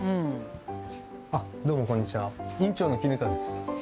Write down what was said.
あっどうもこんにちは院長のきぬたです